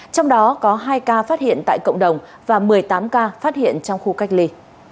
trong đó có hai ca phát hiện tại cộng đồng và một mươi tám ca phát hiện trong khu cách ly